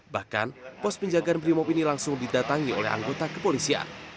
bahkan pos penjagaan brimob ini langsung didatangi oleh anggota kepolisian